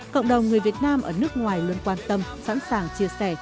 cộng đồng người việt nam ở nước ngoài luôn quan tâm sẵn sàng chia sẻ